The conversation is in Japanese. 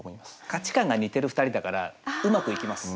価値観が似てる２人だからうまくいきます。